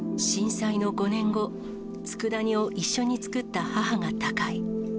震災の５年後、つくだ煮を一緒に作った母が他界。